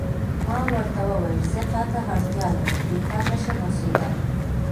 ما ورته وویل: زه تا ته اړتیا لرم، بې تا نه شم اوسېدای.